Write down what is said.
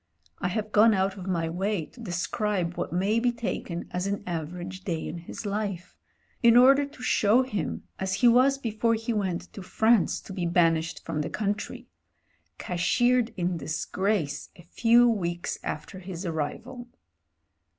I have gone out of my way to describe what may be taken as an average day in his life, in order to show him as he was before he went to France 224 MEN, WOMEN AND GUNS to be banished from the country — cashiered in dis^ grace a few weeks after his arrival.